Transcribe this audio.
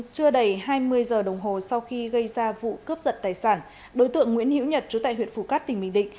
trưa đầy hai mươi giờ đồng hồ sau khi gây ra vụ cướp giật tài sản đối tượng nguyễn hiễu nhật trú tại huyện phù cát tỉnh bình định